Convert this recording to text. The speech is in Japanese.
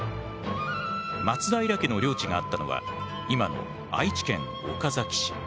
松平家の領地があったのは今の愛知県岡崎市。